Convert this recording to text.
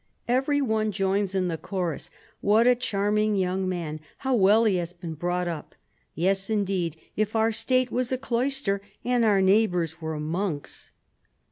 Every one joins in the chorus : What a charming young man ; how well he has been brought up ! Yes, indeed, if our State was a cloister and our neighbours were monks."